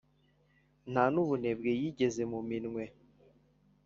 nta n' ubunebwe yigeze mu minwe;